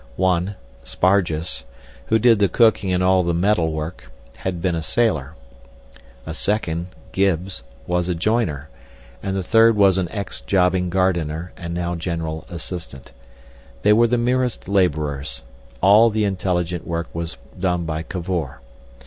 One, Spargus, who did the cooking and all the metal work, had been a sailor; a second, Gibbs, was a joiner; and the third was an ex jobbing gardener, and now general assistant. They were the merest labourers. All the intelligent work was done by Cavor.